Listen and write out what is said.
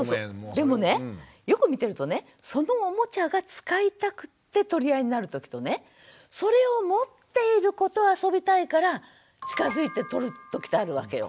でもねよく見てるとねそのおもちゃが使いたくて取り合いになるときとねそれを持っている子と遊びたいから近づいて取るときってあるわけよ。